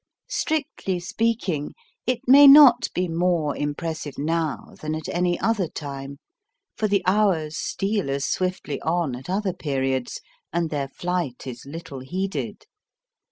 Strictly speaking, it may not be more impressive now, than at any other time ; for the hours steal as swiftly on, at other periods, and their flight is little heeded.